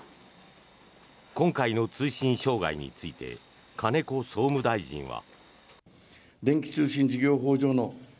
今回の通信障害について金子総務大臣は。